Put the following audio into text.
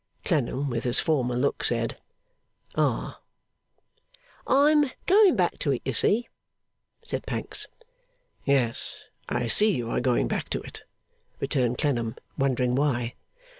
Clennam, with his former look, said 'Ah!' 'I am going back to it, you see,' said Pancks. 'Yes. I see you are going back to it,' returned Clennam, wondering why.